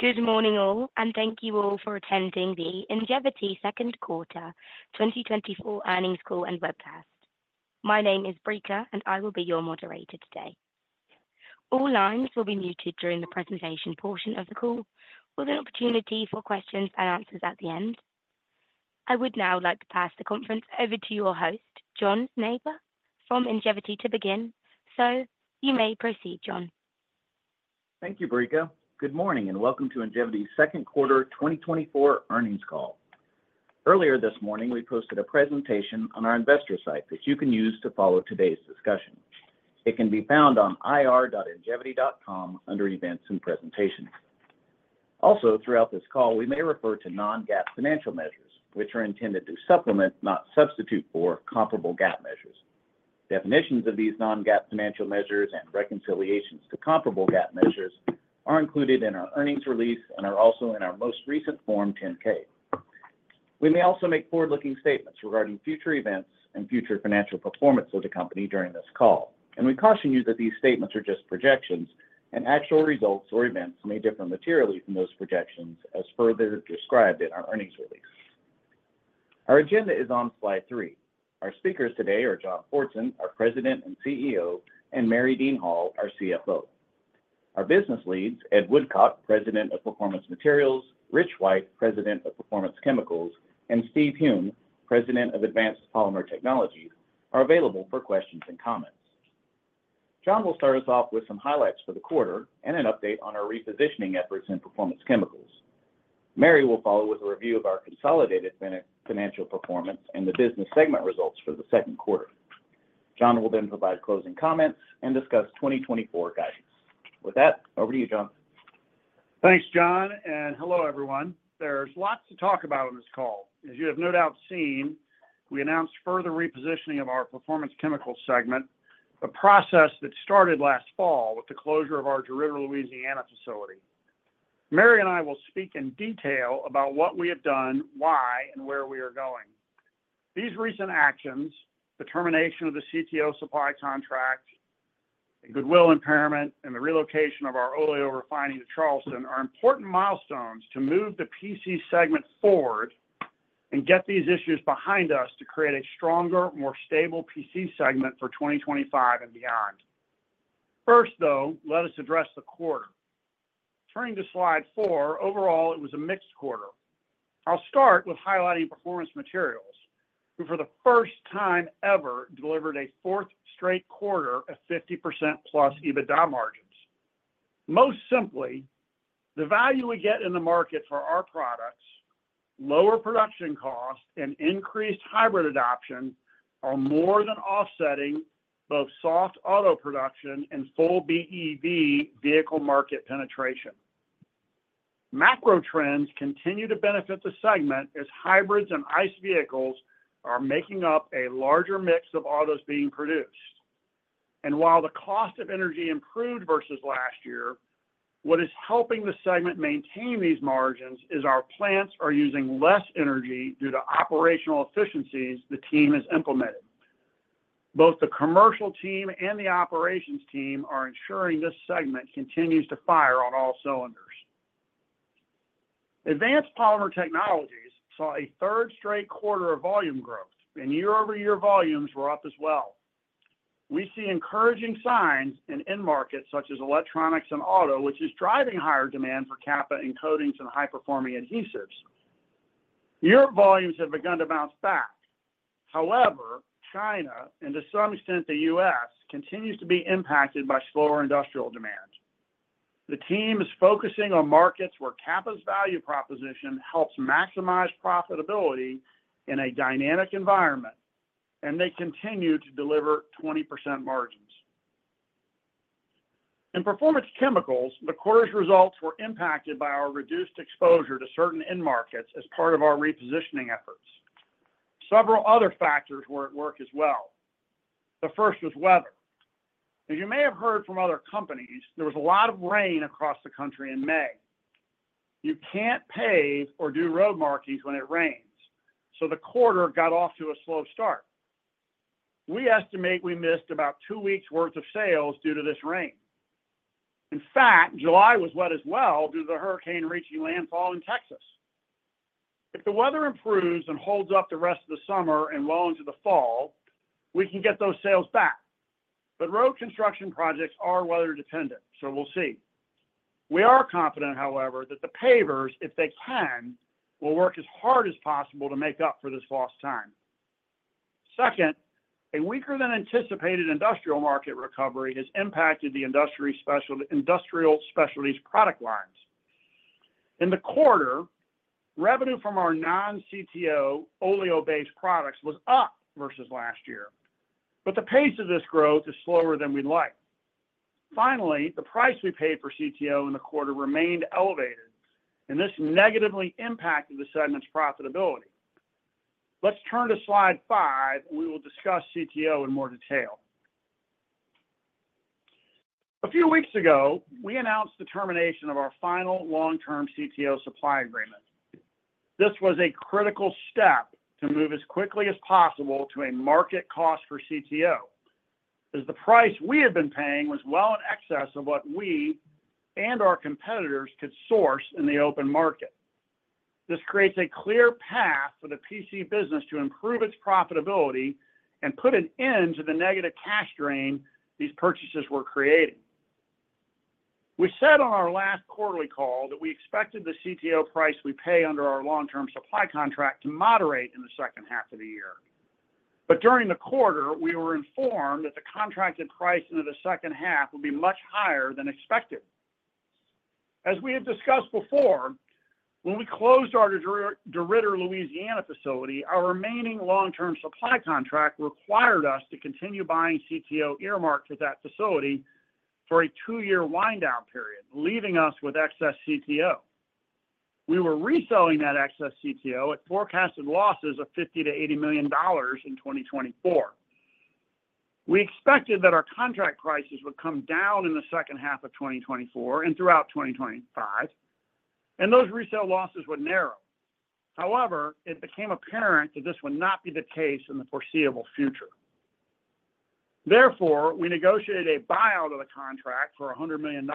Good morning, all, and thank you all for attending the Ingevity second quarter 2024 earnings call and webcast. My name is Brika, and I will be your moderator today. All lines will be muted during the presentation portion of the call, with an opportunity for questions and answers at the end. I would now like to pass the conference over to your host, John Nypaver, from Ingevity to begin. So you may proceed, John. Thank you, Brika. Good morning, and welcome to Ingevity's second quarter 2024 earnings call. Earlier this morning, we posted a presentation on our investor site that you can use to follow today's discussion. It can be found on ir.ingevity.com under Events and Presentations. Also, throughout this call, we may refer to non-GAAP financial measures, which are intended to supplement, not substitute for, comparable GAAP measures. Definitions of these non-GAAP financial measures and reconciliations to comparable GAAP measures are included in our earnings release and are also in our most recent Form 10-K. We may also make forward-looking statements regarding future events and future financial performance of the company during this call, and we caution you that these statements are just projections, and actual results or events may differ materially from those projections, as further described in our earnings release. Our agenda is on slide three. Our speakers today are John Fortson, our President and CEO, and Mary Dean Hall, our CFO. Our business leads, Ed Woodcock, President of Performance Materials, Rich White, President of Performance Chemicals, and Steve Hume, President of Advanced Polymer Technologies, are available for questions and comments. John will start us off with some highlights for the quarter and an update on our repositioning efforts in Performance Chemicals. Mary will follow with a review of our consolidated financial performance and the business segment results for the second quarter. John will then provide closing comments and discuss 2024 guidance. With that, over to you, John. Thanks, John, and hello, everyone. There's lots to talk about on this call. As you have no doubt seen, we announced further repositioning of our Performance Chemicals segment, a process that started last fall with the closure of our Geismar, Louisiana, facility. Mary and I will speak in detail about what we have done, why, and where we are going. These recent actions, the termination of the CTO supply contract, the goodwill impairment, and the relocation of our oleo refining to Charleston, are important milestones to move the PC segment forward and get these issues behind us to create a stronger, more stable PC segment for 2025 and beyond. First, though, let us address the quarter. Turning to Slide 4, overall, it was a mixed quarter. I'll start with highlighting Performance Materials, who for the first time ever, delivered a fourth straight quarter of 50%+ EBITDA margins. Most simply, the value we get in the market for our products, lower production costs, and increased hybrid adoption are more than offsetting both soft auto production and full BEV vehicle market penetration. Macro trends continue to benefit the segment as hybrids and ICE vehicles are making up a larger mix of autos being produced. And while the cost of energy improved versus last year, what is helping the segment maintain these margins is our plants are using less energy due to operational efficiencies the team has implemented. Both the commercial team and the operations team are ensuring this segment continues to fire on all cylinders. Advanced Polymer Technologies saw a third straight quarter of volume growth, and year-over-year volumes were up as well. We see encouraging signs in end markets such as electronics and auto, which is driving higher demand for Capa in coatings and high-performing adhesives. Europe volumes have begun to bounce back. However, China, and to some extent, the U.S., continues to be impacted by slower industrial demand. The team is focusing on markets where Capa's value proposition helps maximize profitability in a dynamic environment, and they continue to deliver 20% margins. In Performance Chemicals, the quarter's results were impacted by our reduced exposure to certain end markets as part of our repositioning efforts. Several other factors were at work as well. The first was weather. As you may have heard from other companies, there was a lot of rain across the country in May. You can't pave or do road markings when it rains, so the quarter got off to a slow start. We estimate we missed about two weeks' worth of sales due to this rain. In fact, July was wet as well due to the hurricane reaching landfall in Texas. If the weather improves and holds up the rest of the summer and well into the fall, we can get those sales back. But road construction projects are weather-dependent, so we'll see. We are confident, however, that the pavers, if they can, will work as hard as possible to make up for this lost time. Second, a weaker than anticipated industrial market recovery has impacted the industrial specialties product lines. In the quarter, revenue from our non-CTO oleo-based products was up versus last year, but the pace of this growth is slower than we'd like. Finally, the price we paid for CTO in the quarter remained elevated, and this negatively impacted the segment's profitability. Let's turn to slide four, and we will discuss CTO in more detail. A few weeks ago, we announced the termination of our final long-term CTO supply agreement. This was a critical step to move as quickly as possible to a market cost for CTO, as the price we had been paying was well in excess of what we and our competitors could source in the open market. This creates a clear path for the PC business to improve its profitability and put an end to the negative cash drain these purchases were creating. We said on our last quarterly call that we expected the CTO price we pay under our long-term supply contract to moderate in the second half of the year. But during the quarter, we were informed that the contracted pricing of the second half would be much higher than expected. As we have discussed before, when we closed our DeRidder, Louisiana facility, our remaining long-term supply contract required us to continue buying CTO earmarked to that facility for a two-year wind-down period, leaving us with excess CTO. We were reselling that excess CTO at forecasted losses of $50 million-$80 million in 2024. We expected that our contract prices would come down in the second half of 2024 and throughout 2025, and those resale losses would narrow. However, it became apparent that this would not be the case in the foreseeable future. Therefore, we negotiated a buyout of the contract for $100 million,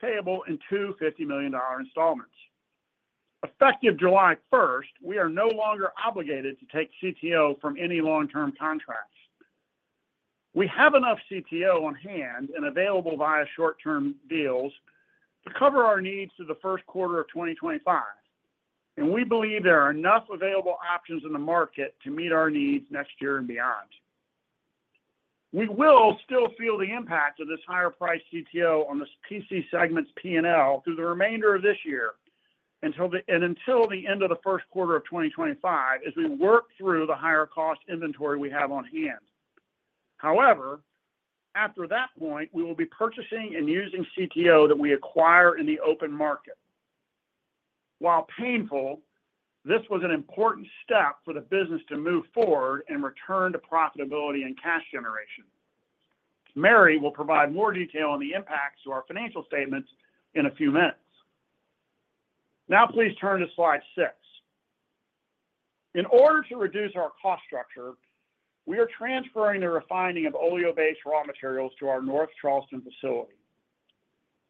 payable in two $50 million installments. Effective July 1, we are no longer obligated to take CTO from any long-term contracts. We have enough CTO on hand and available via short-term deals to cover our needs through the first quarter of 2025, and we believe there are enough available options in the market to meet our needs next year and beyond. We will still feel the impact of this higher price CTO on the PC segment's P&L through the remainder of this year until the end of the first quarter of 2025, as we work through the higher cost inventory we have on hand. However, after that point, we will be purchasing and using CTO that we acquire in the open market. While painful, this was an important step for the business to move forward and return to profitability and cash generation. Mary will provide more detail on the impacts to our financial statements in a few minutes. Now please turn to slide 6. In order to reduce our cost structure, we are transferring the refining of oleo-based raw materials to our North Charleston facility.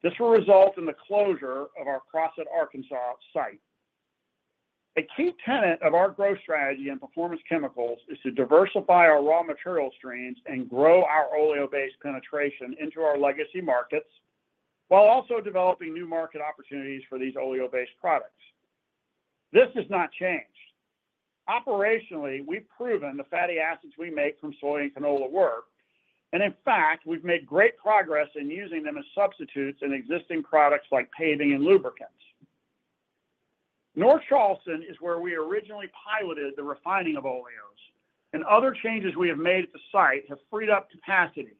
This will result in the closure of our Crossett, Arkansas site. A key tenet of our growth strategy in Performance Chemicals is to diversify our raw material streams and grow our oleo-based penetration into our legacy markets, while also developing new market opportunities for these oleo-based products. This has not changed. Operationally, we've proven the fatty acids we make from soy and canola work, and in fact, we've made great progress in using them as substitutes in existing products like paving and lubricants. North Charleston is where we originally piloted the refining of oleos, and other changes we have made at the site have freed up capacity,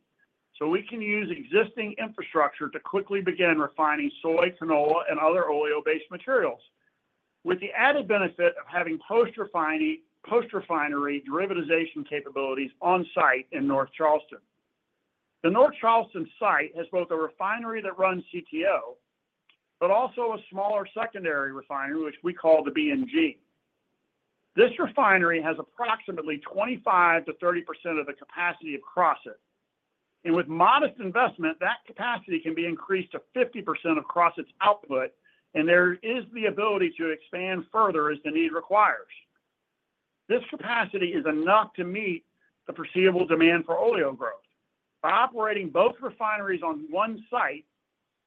so we can use existing infrastructure to quickly begin refining soy, canola, and other oleo-based materials, with the added benefit of having post-refining-- post-refinery derivatization capabilities on site in North Charleston. The North Charleston site has both a refinery that runs CTO, but also a smaller secondary refinery, which we call the B&G. This refinery has approximately 25%-30% of the capacity of Crossett, and with modest investment, that capacity can be increased to 50% of Crossett's output, and there is the ability to expand further as the need requires. This capacity is enough to meet the foreseeable demand for oleo growth. By operating both refineries on one site,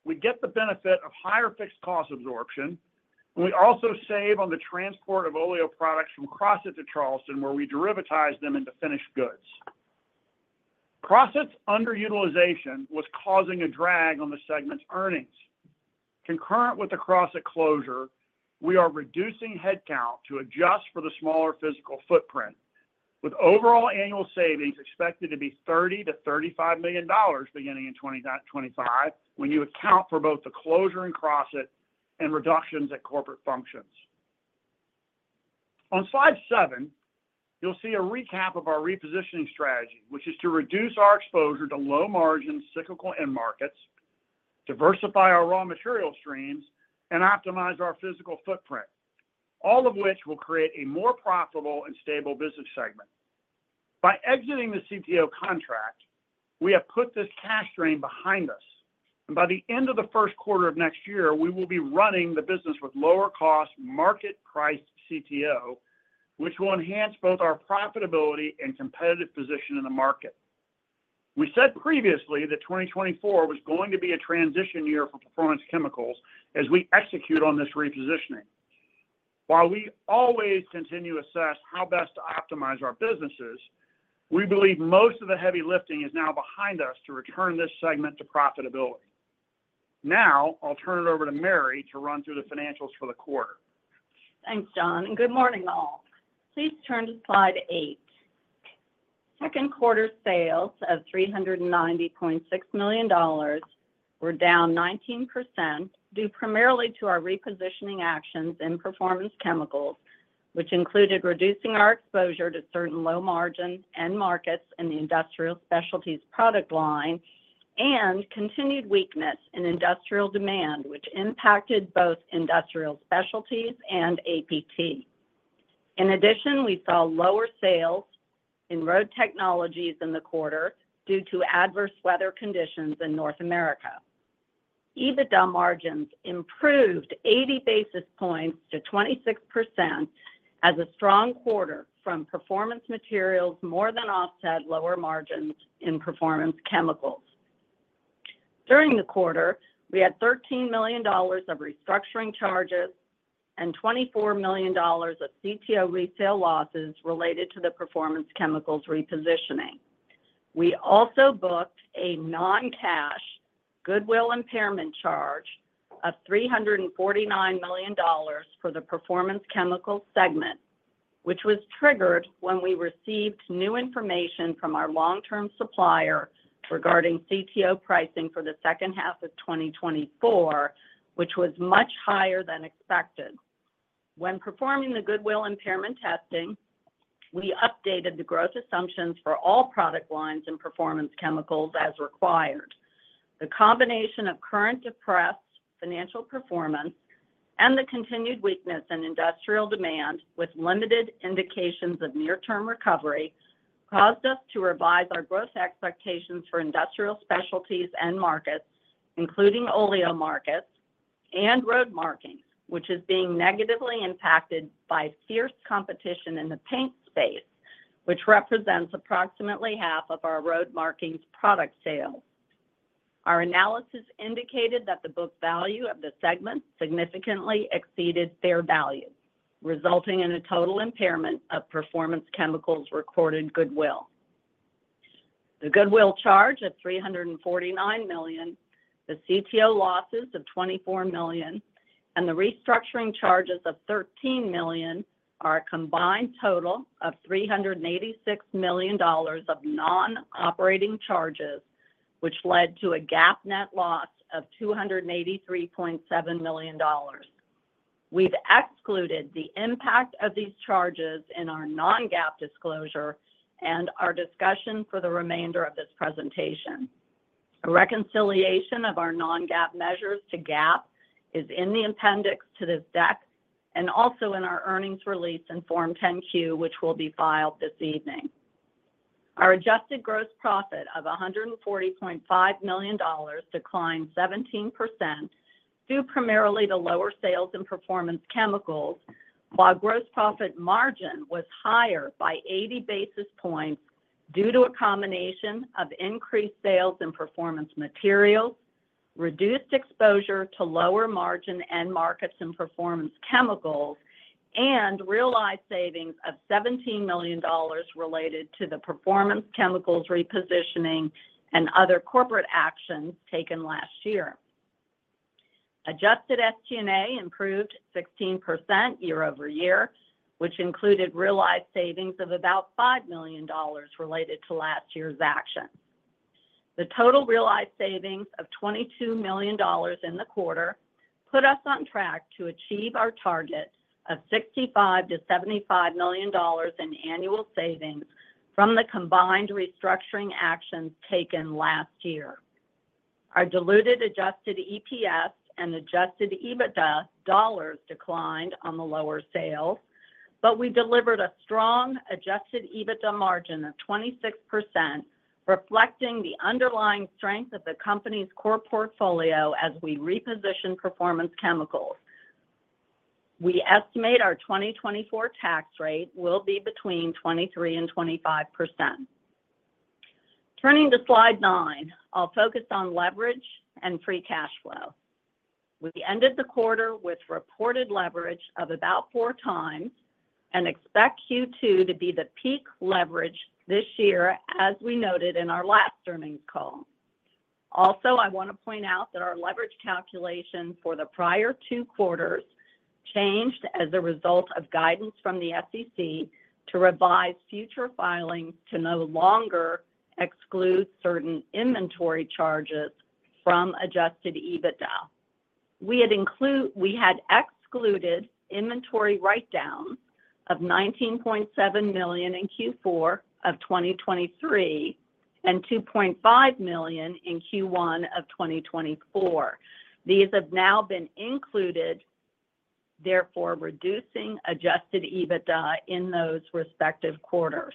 we get the benefit of higher fixed cost absorption, and we also save on the transport of oleo products from Crossett to Charleston, where we derivatize them into finished goods. Crossett's underutilization was causing a drag on the segment's earnings. Concurrent with the Crossett closure, we are reducing headcount to adjust for the smaller physical footprint, with overall annual savings expected to be $30 million-$35 million beginning in 2025, when you account for both the closure in Crossett and reductions at corporate functions. On slide seven, you'll see a recap of our repositioning strategy, which is to reduce our exposure to low-margin, cyclical end markets, diversify our raw material streams, and optimize our physical footprint, all of which will create a more profitable and stable business segment. By exiting the CTO contract, we have put this cash drain behind us, and by the end of the first quarter of next year, we will be running the business with lower cost, market-priced CTO, which will enhance both our profitability and competitive position in the market. We said previously that 2024 was going to be a transition year for Performance Chemicals as we execute on this repositioning. While we always continue to assess how best to optimize our businesses, we believe most of the heavy lifting is now behind us to return this segment to profitability. Now, I'll turn it over to Mary to run through the financials for the quarter. Thanks, John, and good morning, all. Please turn to slide eight. Second quarter sales of $390.6 million were down 19%, due primarily to our repositioning actions in Performance Chemicals, which included reducing our exposure to certain low margins and markets in the industrial specialties product line, and continued weakness in industrial demand, which impacted both industrial specialties and APT. In addition, we saw lower sales in Road Technologies in the quarter due to adverse weather conditions in North America. EBITDA margins improved 80 basis points to 26% as a strong quarter from Performance Materials, more than offset lower margins in Performance Chemicals. During the quarter, we had $13 million of restructuring charges and $24 million of CTO resale losses related to the Performance Chemicals repositioning. We also booked a non-cash goodwill impairment charge of $349 million for the Performance Chemicals segment, which was triggered when we received new information from our long-term supplier regarding CTO pricing for the second half of 2024, which was much higher than expected. When performing the goodwill impairment testing, we updated the growth assumptions for all product lines and Performance Chemicals as required. The combination of current depressed financial performance and the continued weakness in industrial demand, with limited indications of near-term recovery, caused us to revise our growth expectations for industrial specialties and markets, including oleo markets and road markings, which is being negatively impacted by fierce competition in the paint space, which represents approximately half of our road markings product sales. Our analysis indicated that the book value of the segment significantly exceeded fair value, resulting in a total impairment of Performance Chemicals recorded goodwill. The goodwill charge of $349 million, the CTO losses of $24 million, and the restructuring charges of $13 million are a combined total of $386 million of non-operating charges, which led to a GAAP net loss of $283.7 million. We've excluded the impact of these charges in our non-GAAP disclosure and our discussion for the remainder of this presentation. A reconciliation of our non-GAAP measures to GAAP is in the appendix to this deck and also in our earnings release in Form 10-Q, which will be filed this evening. Our adjusted gross profit of $140.5 million declined 17% due primarily to lower sales in Performance Chemicals, while gross profit margin was higher by 80 basis points due to a combination of increased sales in Performance Materials, reduced exposure to lower margin end markets in Performance Chemicals, and realized savings of $17 million related to the Performance Chemicals repositioning and other corporate actions taken last year. Adjusted SG&A improved 16% year-over-year, which included realized savings of about $5 million related to last year's action. The total realized savings of $22 million in the quarter put us on track to achieve our target of $65 million-$75 million in annual savings from the combined restructuring actions taken last year. Our diluted Adjusted EPS and Adjusted EBITDA dollars declined on the lower sales, but we delivered a strong Adjusted EBITDA margin of 26%, reflecting the underlying strength of the company's core portfolio as we reposition Performance Chemicals. We estimate our 2024 tax rate will be between 23% and 25%. Turning to slide nine, I'll focus on leverage and free cash flow. We ended the quarter with reported leverage of about 4x and expect Q2 to be the peak leverage this year, as we noted in our last earnings call. Also, I want to point out that our leverage calculation for the prior two quarters changed as a result of guidance from the SEC to revise future filings to no longer exclude certain inventory charges from Adjusted EBITDA. We had excluded inventory write-downs of $19.7 million in Q4 of 2023 and $2.5 million in Q1 of 2024. These have now been included, therefore, reducing adjusted EBITDA in those respective quarters.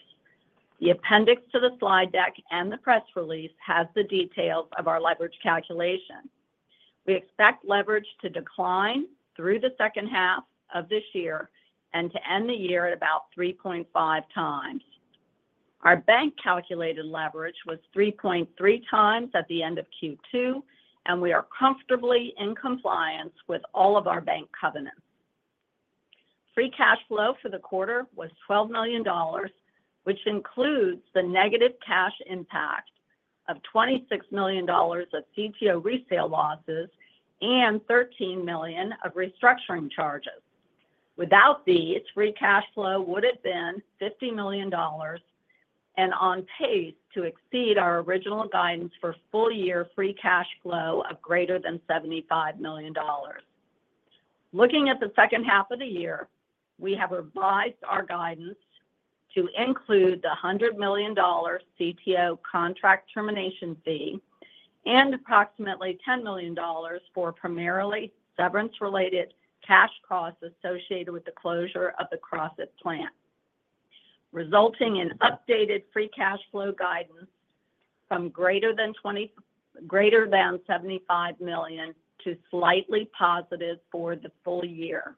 The appendix to the slide deck and the press release has the details of our leverage calculation. We expect leverage to decline through the second half of this year and to end the year at about 3.5x. Our bank calculated leverage was 3.3x at the end of Q2, and we are comfortably in compliance with all of our bank covenants. Free cash flow for the quarter was $12 million, which includes the negative cash impact of $26 million of CTO resale losses and $13 million of restructuring charges. Without these, free cash flow would have been $50 million and on pace to exceed our original guidance for full-year free cash flow of greater than $75 million. Looking at the second half of the year, we have revised our guidance to include the $100 million CTO contract termination fee and approximately $10 million for primarily severance-related cash costs associated with the closure of the Crossett plant, resulting in updated free cash flow guidance from greater than $75 million to slightly positive for the full year.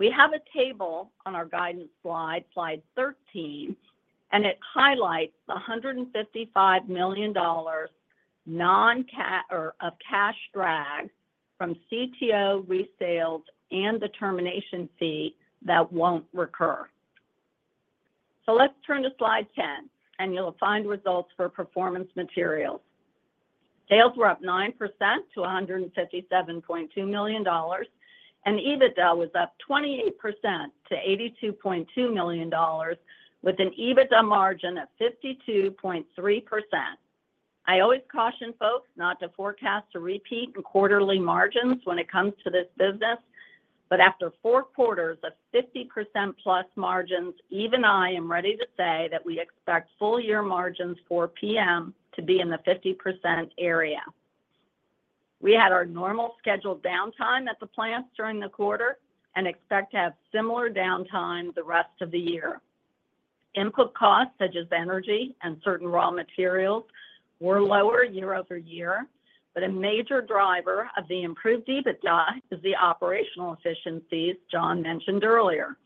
We have a table on our guidance slide, slide 13, and it highlights the $155 million non-cash or cash drag from CTO resales and the termination fee that won't recur. So let's turn to slide 10, and you'll find results for Performance Materials. Sales were up 9% to $157.2 million, and EBITDA was up 28% to $82.2 million, with an EBITDA margin of 52.3%. I always caution folks not to forecast or repeat in quarterly margins when it comes to this business, but after four quarters of 50%+ margins, even I am ready to say that we expect full year margins for PM to be in the 50% area. We had our normal scheduled downtime at the plants during the quarter and expect to have similar downtime the rest of the year. Input costs, such as energy and certain raw materials, were lower year-over-year, but a major driver of the improved EBITDA is the operational efficiencies John mentioned earlier.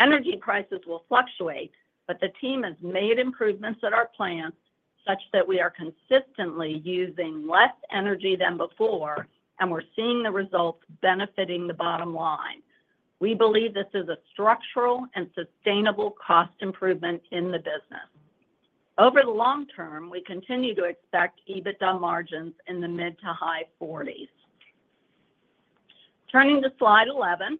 Energy prices will fluctuate, but the team has made improvements at our plants such that we are consistently using less energy than before, and we're seeing the results benefiting the bottom line. We believe this is a structural and sustainable cost improvement in the business. Over the long term, we continue to expect EBITDA margins in the mid- to high-40s%. Turning to slide 11,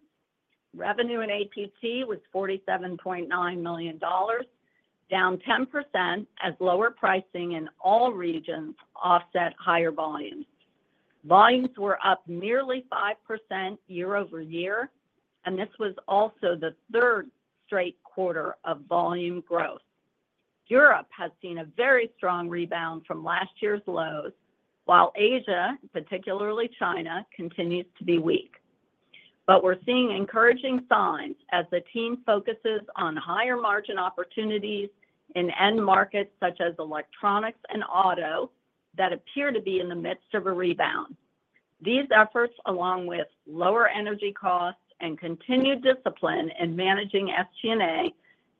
revenue in APT was $47.9 million, down 10%, as lower pricing in all regions offset higher volumes. Volumes were up nearly 5% year-over-year, and this was also the third straight quarter of volume growth. Europe has seen a very strong rebound from last year's lows, while Asia, particularly China, continues to be weak. But we're seeing encouraging signs as the team focuses on higher margin opportunities in end markets, such as electronics and auto, that appear to be in the midst of a rebound. These efforts, along with lower energy costs and continued discipline in managing SG&A,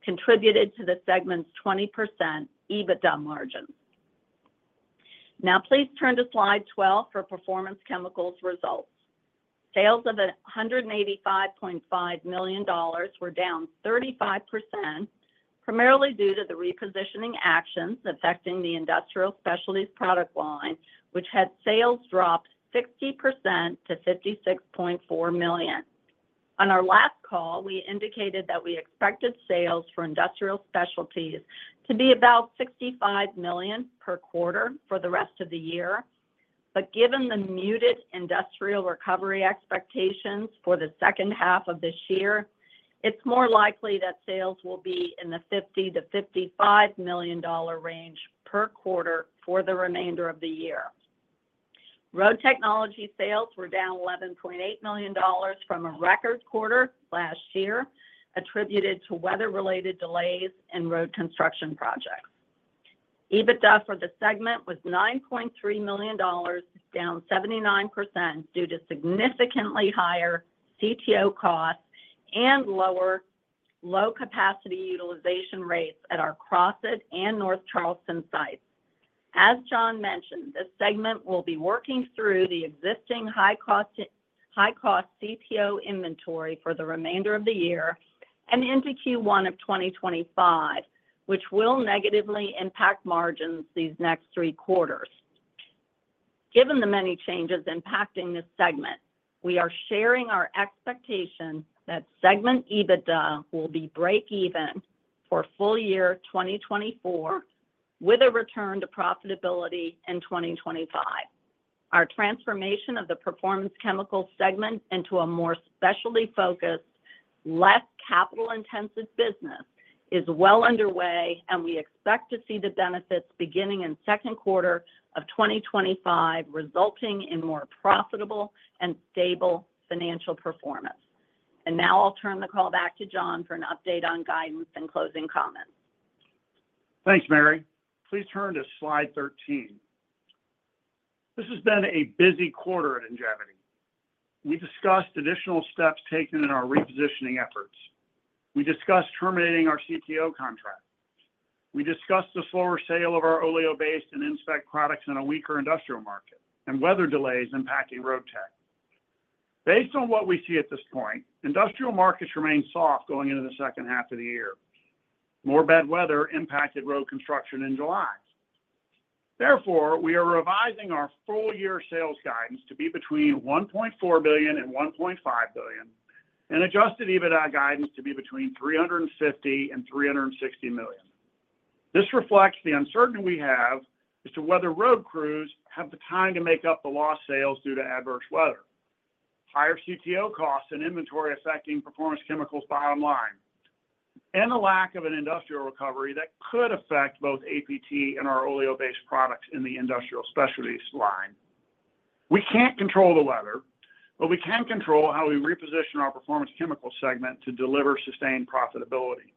contributed to the segment's 20% EBITDA margin. Now please turn to slide 12 for Performance Chemicals results. Sales of $185.5 million were down 35%, primarily due to the repositioning actions affecting the industrial specialties product line, which had sales drop 60% to $56.4 million. On our last call, we indicated that we expected sales for industrial specialties to be about $65 million per quarter for the rest of the year. But given the muted industrial recovery expectations for the second half of this year, it's more likely that sales will be in the $50-$55 million range per quarter for the remainder of the year. Road technology sales were down $11.8 million from a record quarter last year, attributed to weather-related delays and road construction projects. EBITDA for the segment was $9.3 million, down 79% due to significantly higher CTO costs and low capacity utilization rates at our Crossett and North Charleston sites. As John mentioned, this segment will be working through the existing high-cost, high-cost CTO inventory for the remainder of the year and into Q1 of 2025, which will negatively impact margins these next three quarters. Given the many changes impacting this segment, we are sharing our expectation that segment EBITDA will be break even for full year 2024, with a return to profitability in 2025. Our transformation of the Performance Chemicals segment into a more specialty-focused, less capital-intensive business is well underway, and we expect to see the benefits beginning in second quarter of 2025, resulting in more profitable and stable financial performance. Now I'll turn the call back to John for an update on guidance and closing comments. Thanks, Mary. Please turn to slide 13. This has been a busy quarter at Ingevity. We discussed additional steps taken in our repositioning efforts. We discussed terminating our CTO contract. We discussed the slower sale of our oleo-based and Indspec products in a weaker industrial market and weather delays impacting road tech. Based on what we see at this point, industrial markets remain soft going into the second half of the year. More bad weather impacted road construction in July. Therefore, we are revising our full year sales guidance to be between $1.4 billion and $1.5 billion, and Adjusted EBITDA guidance to be between $350 million and $360 million. This reflects the uncertainty we have as to whether road crews have the time to make up the lost sales due to adverse weather, higher CTO costs and inventory affecting Performance Chemicals' bottom line, and a lack of an industrial recovery that could affect both APT and our oleo-based products in the industrial specialties line. We can't control the weather, but we can control how we reposition our Performance Chemicals segment to deliver sustained profitability.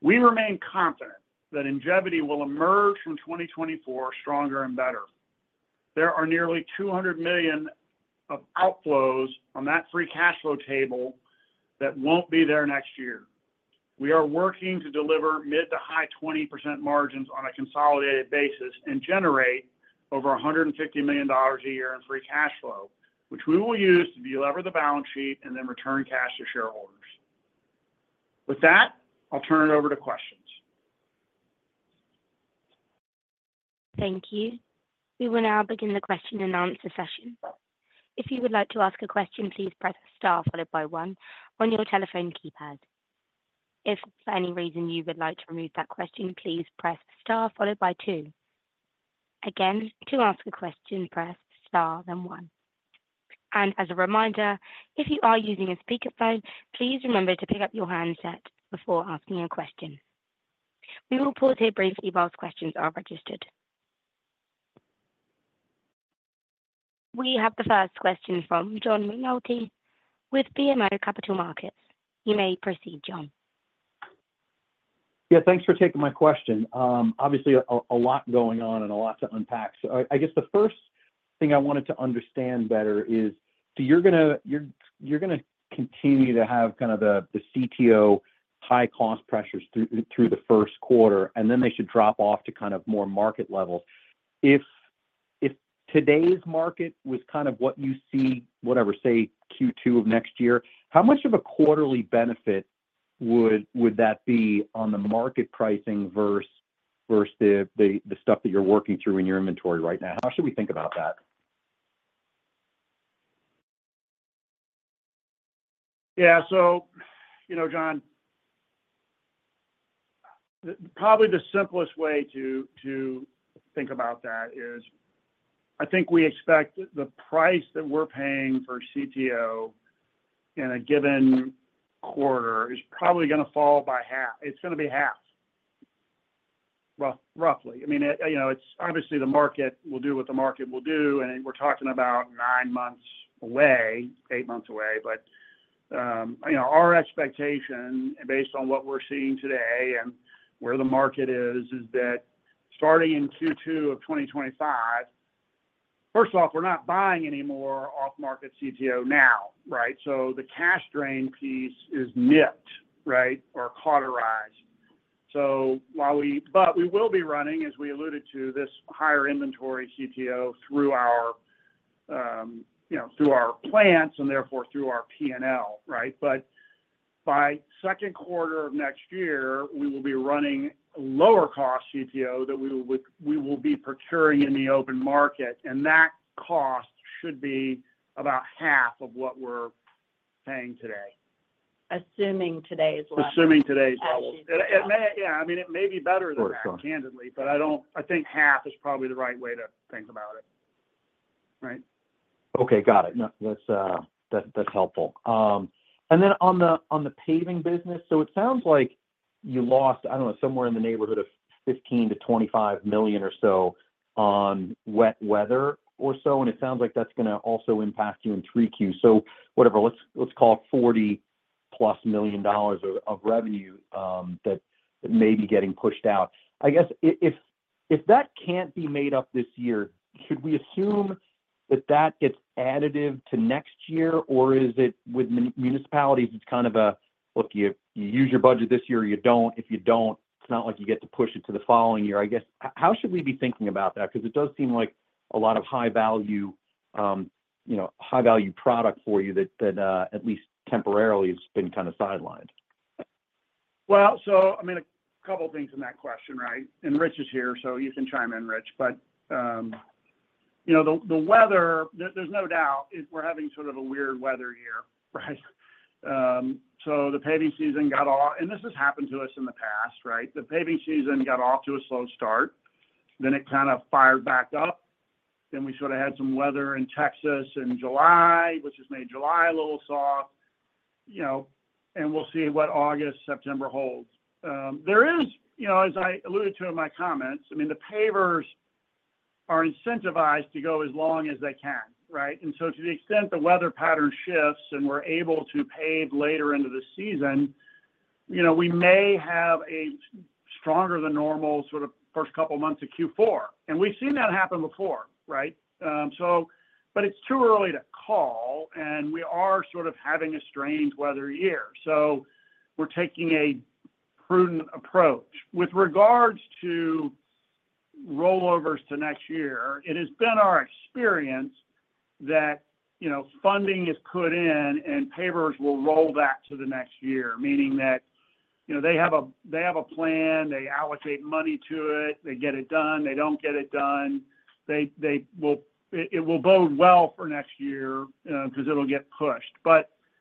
We remain confident that Ingevity will emerge from 2024 stronger and better. There are nearly $200 million of outflows on that free cash flow table that won't be there next year. We are working to deliver mid- to high-20% margins on a consolidated basis and generate over $150 million a year in free cash flow, which we will use to delever the balance sheet and then return cash to shareholders. With that, I'll turn it over to questions. Thank you. We will now begin the question-and-answer session. If you would like to ask a question, please press star followed by one on your telephone keypad. If for any reason you would like to remove that question, please press star followed by two. Again, to ask a question, press star, then one. As a reminder, if you are using a speakerphone, please remember to pick up your handset before asking a question. We will pause here briefly while questions are registered. We have the first question from John McNulty with BMO Capital Markets. You may proceed, John. Yeah, thanks for taking my question. Obviously, a lot going on and a lot to unpack. So I guess the first thing I wanted to understand better is, so you're gonna continue to have kind of the CTO high cost pressures through the first quarter, and then they should drop off to kind of more market levels. If today's market was kind of what you see, whatever, say, Q2 of next year, how much of a quarterly benefit would that be on the market pricing versus the stuff that you're working through in your inventory right now? How should we think about that? Yeah, so, you know, John, the probably the simplest way to think about that is, I think we expect the price that we're paying for CTO in a given quarter is probably gonna fall by half. It's gonna be half, well, roughly. I mean, it, you know, it's obviously the market will do what the market will do, and we're talking about nine months away, eight months away. But, you know, our expectation, based on what we're seeing today and where the market is, is that starting in Q2 of 2025... First off, we're not buying any more off-market CTO now, right? So the cash drain piece is nipped, right, or cauterized. So while we-- but we will be running, as we alluded to, this higher inventory CTO through our, you know, through our plants and therefore through our P&L, right? But by second quarter of next year, we will be running lower cost CTO that we will, we will be procuring in the open market, and that cost should be about half of what we're paying today. Assuming today's levels. It may, yeah, I mean, it may be better than that. Sure. Candidly, but I don't... I think half is probably the right way to think about it, right? Okay, got it. No, that's helpful. And then on the paving business, so it sounds like you lost, I don't know, somewhere in the neighborhood of $15 million-$25 million or so on wet weather or so, and it sounds like that's gonna also impact you in Q3. So whatever, let's call it $40+ million of revenue that may be getting pushed out. I guess if that can't be made up this year, should we assume that that gets additive to next year, or is it with municipalities, it's kind of a, "Look, you use your budget this year or you don't. If you don't, it's not like you get to push it to the following year." I guess how should we be thinking about that? Because it does seem like a lot of high value, you know, high value product for you that, at least temporarily, has been kind of sidelined. Well, so, I mean, a couple things in that question, right? And Rich is here, so you can chime in, Rich. But you know, the weather, there's no doubt we're having sort of a weird weather year, right? So the paving season got off to a slow start, and this has happened to us in the past, right? The paving season got off to a slow start, then it kind of fired back up. Then we sort of had some weather in Texas in July, which has made July a little soft, you know, and we'll see what August, September holds. There is, you know, as I alluded to in my comments, I mean, the pavers are incentivized to go as long as they can, right? And so to the extent the weather pattern shifts and we're able to pave later into the season, you know, we may have a stronger than normal sort of first couple of months of Q4. And we've seen that happen before, right? So, but it's too early to call, and we are sort of having a strange weather year, so we're taking a prudent approach. With regards to rollovers to next year, it has been our experience that, you know, funding is put in and pavers will roll that to the next year. Meaning that, you know, they have a plan, they allocate money to it, they get it done, they don't get it done, they will - it will bode well for next year, 'cause it'll get pushed.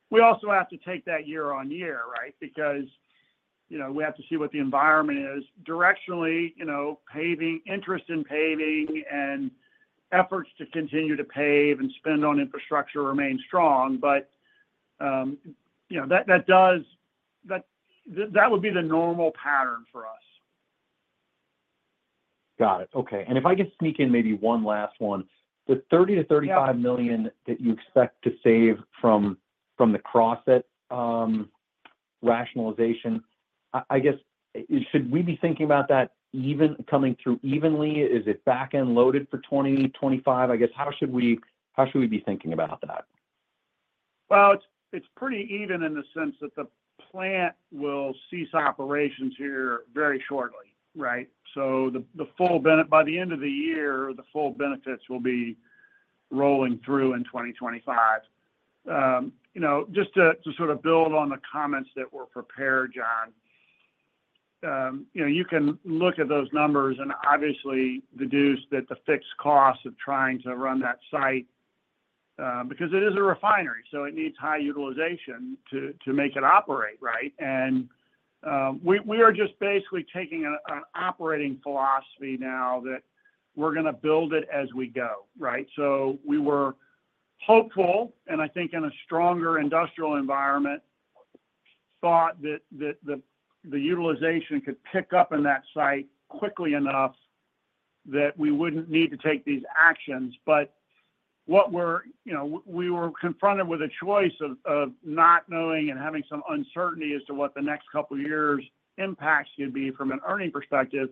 We also have to take that year-on-year, right? Because, you know, we have to see what the environment is. Directionally, you know, paving, interest in paving and efforts to continue to pave and spend on infrastructure remain strong. But, you know, that would be the normal pattern for us. Got it. Okay. And if I could sneak in maybe one last one. The $30 million-$35 million. Yeah $35 million that you expect to save from the Crossett rationalization, I guess, should we be thinking about that coming through evenly? Is it back-end loaded for 2025? I guess, how should we be thinking about that? Well, it's pretty even in the sense that the plant will cease operations here very shortly, right? So by the end of the year, the full benefits will be rolling through in 2025. You know, just to sort of build on the comments that were prepared, John, you know, you can look at those numbers and obviously deduce that the fixed costs of trying to run that site, because it is a refinery, so it needs high utilization to make it operate, right? We are just basically taking an operating philosophy now that we're gonna build it as we go, right? So we were hopeful, and I think in a stronger industrial environment, thought that the utilization could pick up in that site quickly enough that we wouldn't need to take these actions. But what we're—you know, we were confronted with a choice of not knowing and having some uncertainty as to what the next couple of years impacts should be from an earning perspective,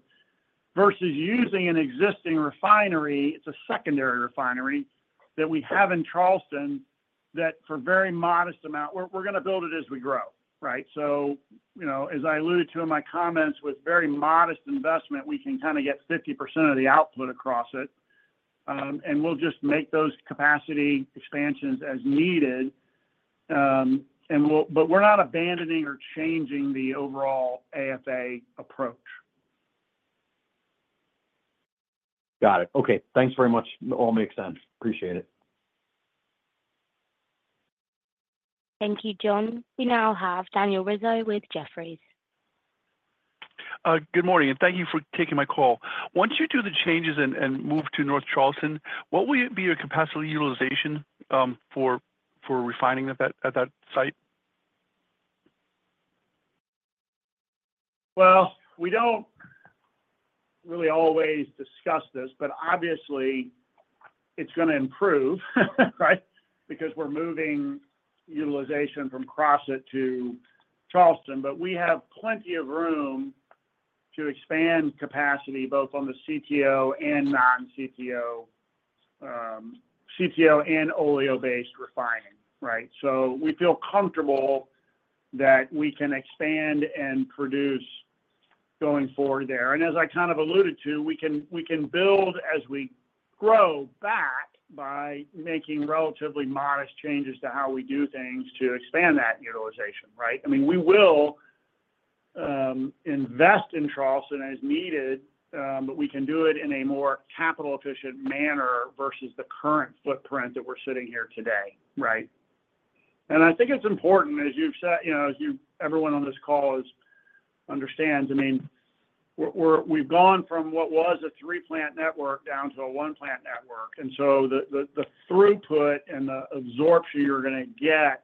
versus using an existing refinery, it's a secondary refinery, that we have in Charleston, that for a very modest amount—we're gonna build it as we grow, right? So, you know, as I alluded to in my comments, with very modest investment, we can kind of get 50% of the output across it. And we'll just make those capacity expansions as needed, and we'll—but we're not abandoning or changing the overall AFA approach. Got it. Okay. Thanks very much. It all makes sense. Appreciate it. Thank you, John. We now have Daniel Rizzo with Jefferies. Good morning, and thank you for taking my call. Once you do the changes and move to North Charleston, what would it be your capacity utilization for refining at that site? Well, we don't really always discuss this, but obviously, it's gonna improve, right? Because we're moving utilization from Crossett to Charleston. But we have plenty of room to expand capacity, both on the CTO and non-CTO, CTO and oleo-based refining, right? So we feel comfortable that we can expand and produce going forward there. And as I kind of alluded to, we can, we can build as we grow back by making relatively modest changes to how we do things to expand that utilization, right? I mean, we will invest in Charleston as needed, but we can do it in a more capital-efficient manner versus the current footprint that we're sitting here today, right? And I think it's important, as you've said, you know, as everyone on this call understands, I mean, we've gone from what was a three-plant network down to a one-plant network. And so the throughput and the absorption you're gonna get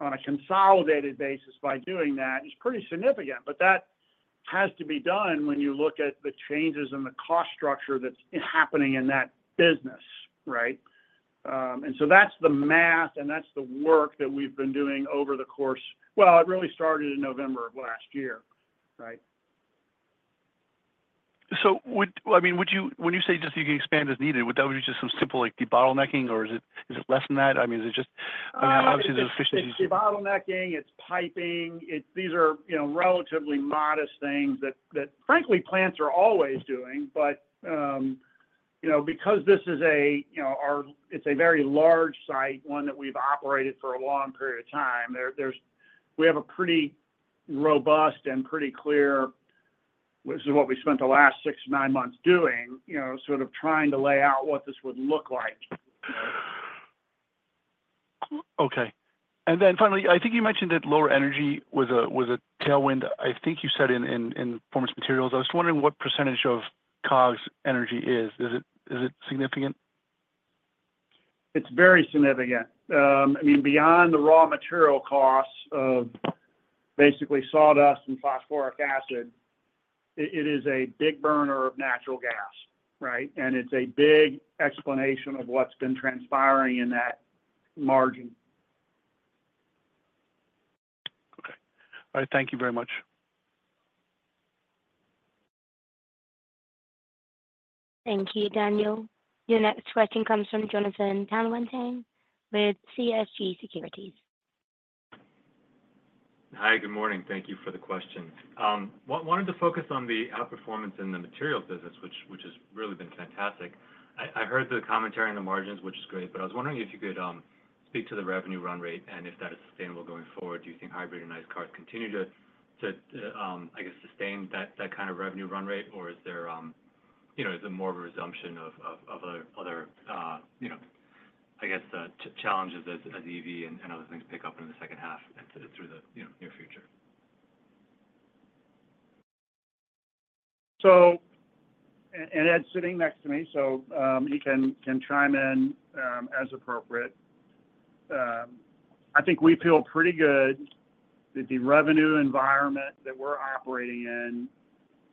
on a consolidated basis by doing that is pretty significant. But that has to be done when you look at the changes in the cost structure that's happening in that business, right? And so that's the math, and that's the work that we've been doing over the course, well, it really started in November of last year, right? So, I mean, would you, when you say just you can expand as needed, would that be just some simple, like, debottlenecking, or is it, is it less than that? I mean, is it just- Uh- I mean, obviously, the efficiency- It's debottlenecking, it's piping, these are, you know, relatively modest things that, frankly, plants are always doing. But, you know, because this is a, you know, our it's a very large site, one that we've operated for a long period of time, there, there's we have a pretty robust and pretty clear, which is what we spent the last six to nine months doing, you know, sort of trying to lay out what this would look like. Okay. And then finally, I think you mentioned that lower energy was a tailwind. I think you said in Performance Materials. I was just wondering what percentage of COGS energy is. Is it significant? It's very significant. I mean, beyond the raw material costs of basically sawdust and phosphoric acid, it is a big burner of natural gas, right? And it's a big explanation of what's been transpiring in that margin. Okay. All right. Thank you very much. Thank you, Daniel. Your next question comes from Jonathan Tanwanteng with CJS Securities. Hi, good morning. Thank you for the question. Wanted to focus on the outperformance in the materials business, which, which has really been fantastic. I, I heard the commentary on the margins, which is great, but I was wondering if you could speak to the revenue run rate and if that is sustainable going forward. Do you think hybrid and ICE cars continue to, to, I guess, sustain that, that kind of revenue run rate, or is there-you know, is it more of a resumption of other challenges as EV and other things pick up in the second half and through the, you know, near future? Ed's sitting next to me, he can chime in as appropriate. I think we feel pretty good that the revenue environment that we're operating in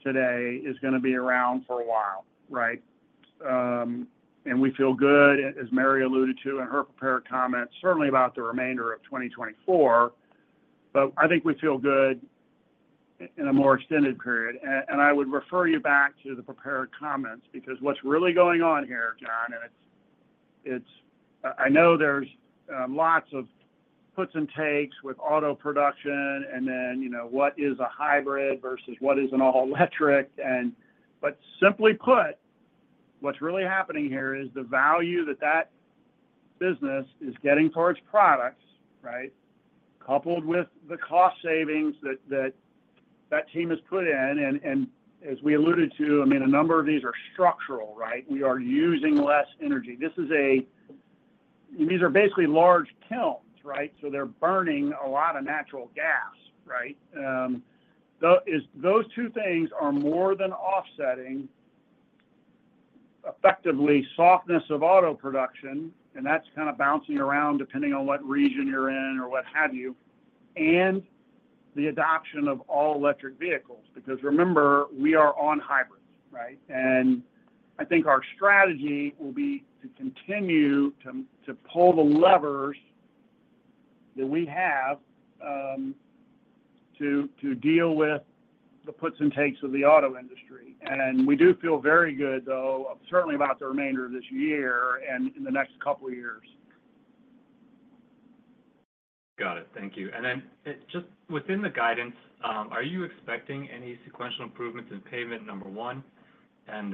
today is gonna be around for a while, right? We feel good, as Mary alluded to in her prepared comments, certainly about the remainder of 2024, but I think we feel good in a more extended period. I would refer you back to the prepared comments, because what's really going on here, John, and it's. I know there's lots of puts and takes with auto production, and then, you know, what is a hybrid versus what is an all-electric? But simply put, what's really happening here is the value that that business is getting for its products, right? Coupled with the cost savings that that team has put in. And as we alluded to, I mean, a number of these are structural, right? We are using less energy. These are basically large kilns, right? So they're burning a lot of natural gas, right? Those two things are more than offsetting, effectively, softness of auto production, and that's kind of bouncing around depending on what region you're in or what have you, and the adoption of all electric vehicles. Because remember, we are on hybrids, right? And I think our strategy will be to continue to pull the levers that we have, to deal with the puts and takes of the auto industry. And we do feel very good, though, certainly about the remainder of this year and in the next couple of years. Got it. Thank you. And then, just within the guidance, are you expecting any sequential improvements in pavement, number one? And,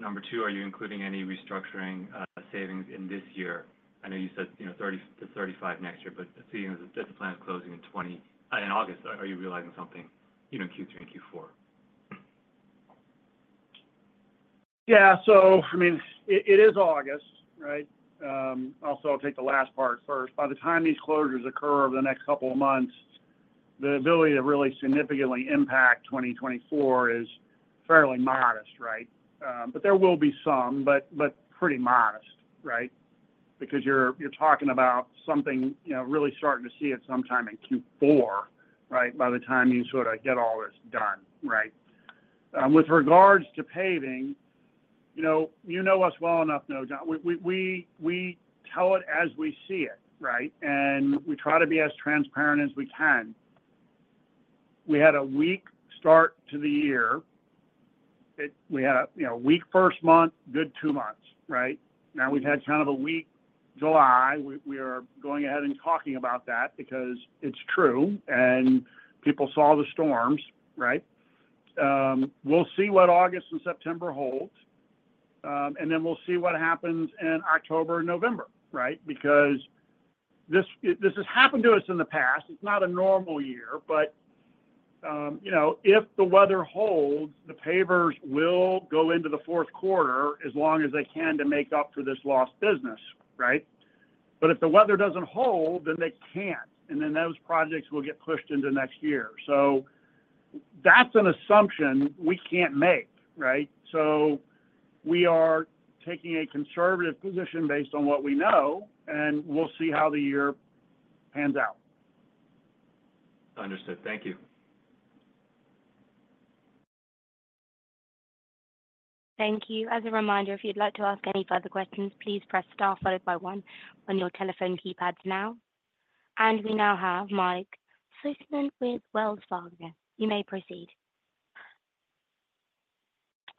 number two, are you including any restructuring savings in this year? I know you said, you know, 30-35 next year, but seeing as this plant is closing in 2024, in August, are you realizing something, you know, Q3 and Q4? Yeah. So, I mean, it is August, right? Also, I'll take the last part first. By the time these closures occur over the next couple of months, the ability to really significantly impact 2024 is fairly modest, right? But there will be some, but pretty modest, right? Because you're talking about something, you know, really starting to see it sometime in Q4, right? By the time you sort of get all this done, right? With regards to paving, you know, you know us well enough now, John. We tell it as we see it, right? And we try to be as transparent as we can. We had a weak start to the year. It, we had, you know, weak first month, good two months, right? Now, we've had kind of a weak July. We are going ahead and talking about that because it's true, and people saw the storms, right? We'll see what August and September holds, and then we'll see what happens in October and November, right? Because this, this has happened to us in the past. It's not a normal year, but you know, if the weather holds, the pavers will go into the fourth quarter as long as they can to make up for this lost business, right? But if the weather doesn't hold, then they can't, and then those projects will get pushed into next year. So that's an assumption we can't make, right? So we are taking a conservative position based on what we know, and we'll see how the year pans out. Understood. Thank you. Thank you. As a reminder, if you'd like to ask any further questions, please press star followed by one on your telephone keypads now. And we now have Mike Sison with Wells Fargo. You may proceed.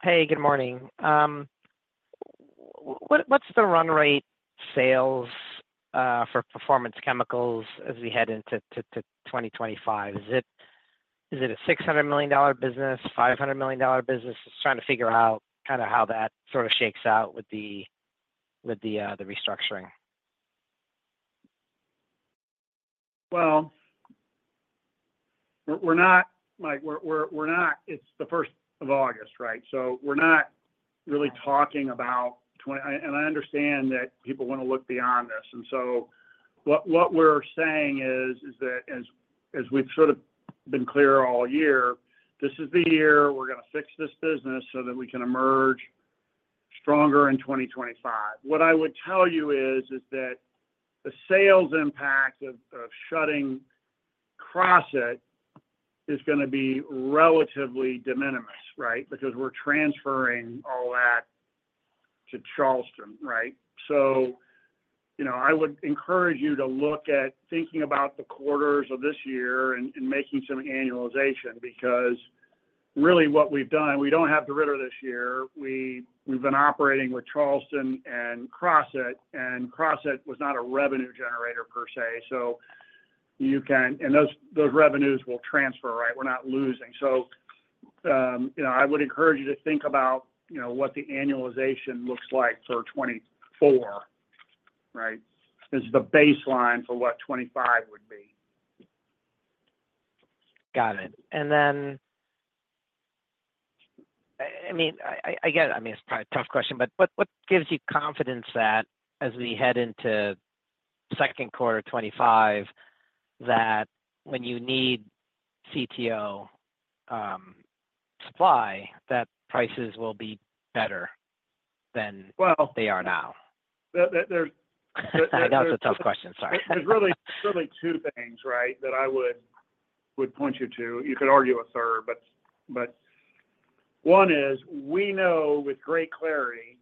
Hey, good morning. What, what's the run rate sales for Performance Chemicals as we head into 2025? Is it a $600 million business, $500 million business? Just trying to figure out kind of how that sort of shakes out with the restructuring. Well, we're not. Like, we're not— It's the first of August, right? So we're not really talking about twen-. And I understand that people want to look beyond this, and so what we're saying is that as we've sort of been clear all year, this is the year we're gonna fix this business so that we can emerge stronger in 2025. What I would tell you is that the sales impact of shutting Crossett is gonna be relatively de minimis, right? Because we're transferring all that to Charleston, right? So, you know, I would encourage you to look at thinking about the quarters of this year and making some annualization, because really what we've done, we don't have the DeRidder this year. We've been operating with Charleston and Crossett, and Crossett was not a revenue generator per se, so you can and those revenues will transfer, right? We're not losing. So, you know, I would encourage you to think about, you know, what the annualization looks like for 2024, right? As the baseline for what 2025 would be. Got it. And then, I mean, I get it, I mean, it's probably a tough question, but what gives you confidence that as we head into second quarter 2025, that when you need CTO supply, that prices will be better than- Well- They are now? There, there, there- That was a tough question, sorry. There's really, really two things, right, that I would point you to. You could argue a third, but one is we know with great clarity,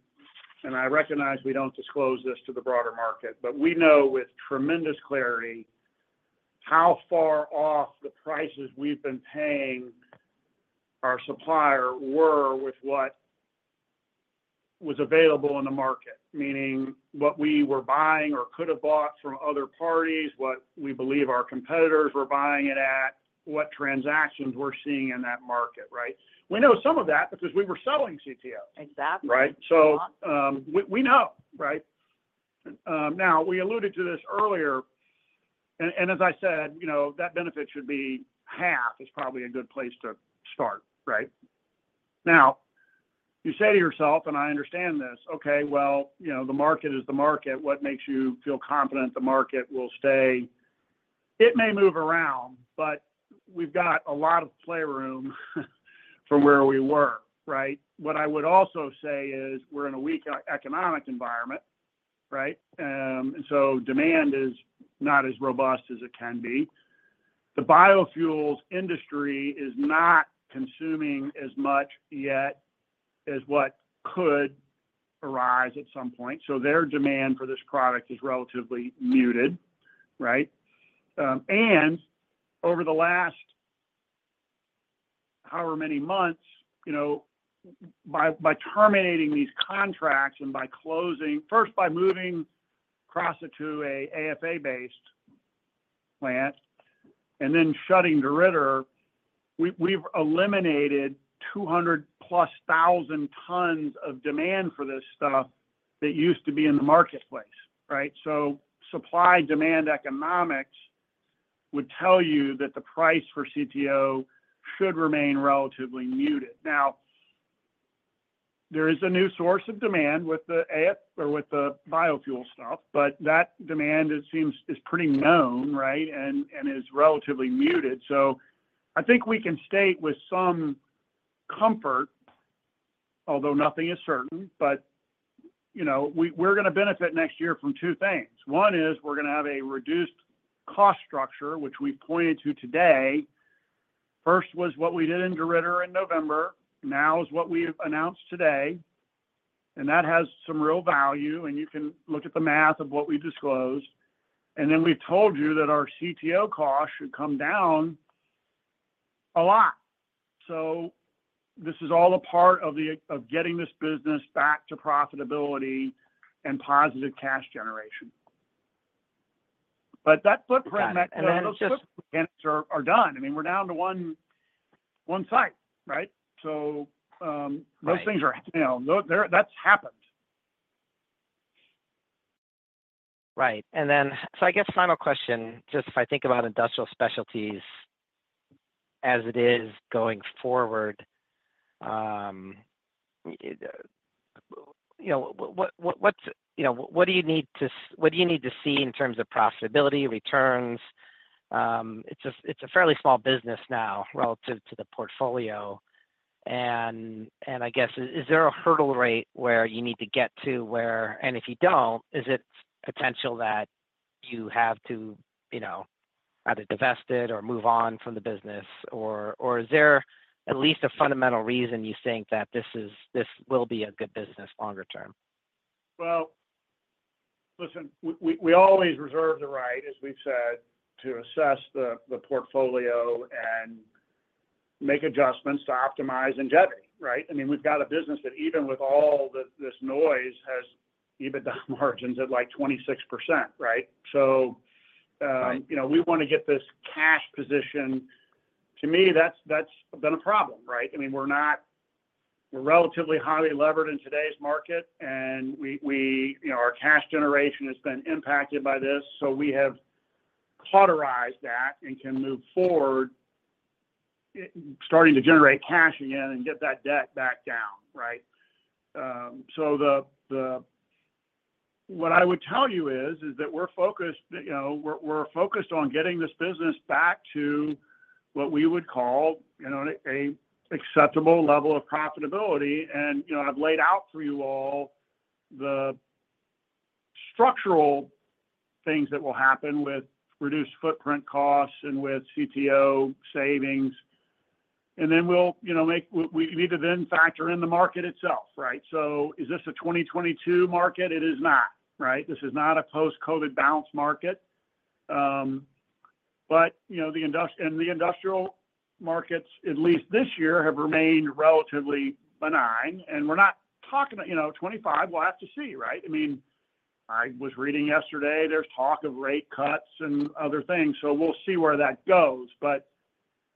and I recognize we don't disclose this to the broader market, but we know with tremendous clarity how far off the prices we've been paying our supplier were with what was available in the market. Meaning what we were buying or could have bought from other parties, what we believe our competitors were buying it at, what transactions we're seeing in that market, right? We know some of that because we were selling CTO. Exactly. Right? So, we, we know, right? Now, we alluded to this earlier, and, and as I said, you know, that benefit should be half, is probably a good place to start, right? Now, you say to yourself, and I understand this, "Okay, well, you know, the market is the market. What makes you feel confident the market will stay?" It may move around, but we've got a lot of playroom from where we were, right? What I would also say is, we're in a weak economic environment, right? And so demand is not as robust as it can be. The biofuels industry is not consuming as much yet as what could arise at some point, so their demand for this product is relatively muted, right? And over the last however many months, you know, by terminating these contracts and by closing, first by moving Crossett to a AFA-based plant and then shutting DeRidder, we've eliminated 200,000+ tons of demand for this stuff that used to be in the marketplace, right? So supply-demand economics would tell you that the price for CTO should remain relatively muted. Now, there is a new source of demand with the AF or with the biofuel stuff, but that demand, it seems, is pretty known, right? And is relatively muted. So I think we can state with some comfort, although nothing is certain, but, you know, we're gonna benefit next year from two things. One is we're gonna have a reduced cost structure, which we pointed to today. First was what we did in DeRidder in November; now is what we've announced today, and that has some real value, and you can look at the math of what we disclosed. And then we told you that our CTO cost should come down a lot. So this is all a part of getting this business back to profitability and positive cash generation. But that footprint- And then just- Are done. I mean, we're down to one site, right? So, those things are, you know, that's happened. Right. And then, so I guess final question, just if I think about industrial specialties as it is going forward, you know, what do you need to see in terms of profitability, returns? It's just, it's a fairly small business now relative to the portfolio. And I guess, is there a hurdle rate where you need to get to where... And if you don't, is it potential that you have to, you know, either divest it or move on from the business, or is there at least a fundamental reason you think that this is, this will be a good business longer term? Well, listen, we, we always reserve the right, as we've said, to assess the, the portfolio and make adjustments to optimize Ingevity, right? I mean, we've got a business that, even with all the, this noise, has EBITDA margins of, like, 26%, right? So, Right You know, we want to get this cash position. To me, that's been a problem, right? I mean, we're not. We're relatively highly levered in today's market, and we, you know, our cash generation has been impacted by this, so we have cauterized that and can move forward, starting to generate cash again and get that debt back down, right? So, what I would tell you is that we're focused, you know, we're focused on getting this business back to what we would call, you know, an acceptable level of profitability. And, you know, I've laid out for you all the structural things that will happen with reduced footprint costs and with CTO savings. And then we'll, you know, make... We need to then factor in the market itself, right? So is this a 2022 market? It is not, right. This is not a post-COVID bounce market. But, you know, the industrial markets, at least this year, have remained relatively benign, and we're not talking about, you know 2025, we'll have to see, right? I mean, I was reading yesterday, there's talk of rate cuts and other things, so we'll see where that goes. But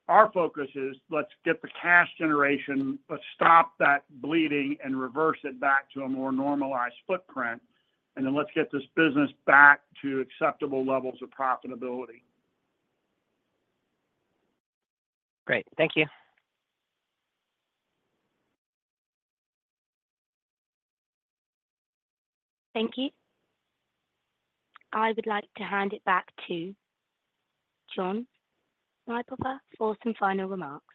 our focus is, let's get the cash generation, let's stop that bleeding and reverse it back to a more normalized footprint, and then let's get this business back to acceptable levels of profitability. Great. Thank you. Thank you. I would like to hand it back to John Fortson for some final remarks.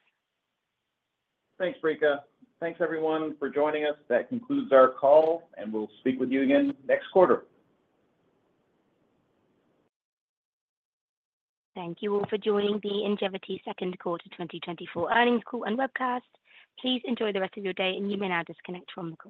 Thanks, Brika. Thanks, everyone, for joining us. That concludes our call, and we'll speak with you again next quarter. Thank you all for joining the Ingevity second quarter 2024 earnings call and webcast. Please enjoy the rest of your day, and you may now disconnect from the call.